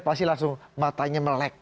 pasti langsung matanya melek